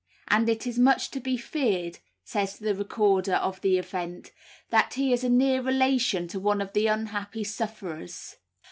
And it is much to be feared," says the recorder of the event, "that he is a near relation to one of the unhappy sufferers."